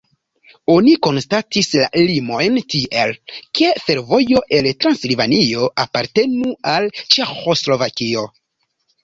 Oni konstatis la limojn tiel, ke fervojo el Transilvanio apartenu al Ĉeĥoslovakio.